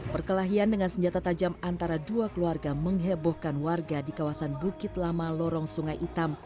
perkelahian dengan senjata tajam antara dua keluarga menghebohkan warga di kawasan bukit lama lorong sungai hitam